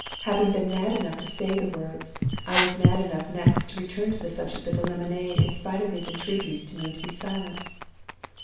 Having been mad enough to say the words, I was mad enough next to return to the subject of the lemonade, in spite of his entreaties to me to be silent.